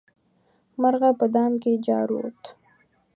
مرغه په دام کې جارووت.